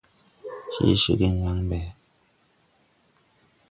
Je ceegen yaŋ ɓe ?